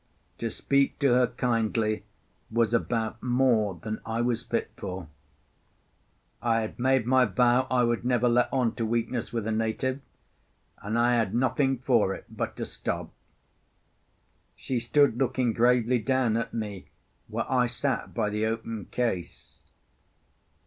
To speak to her kindly was about more than I was fit for; I had made my vow I would never let on to weakness with a native, and I had nothing for it but to stop. She stood looking gravely down at me where I sat by the open case.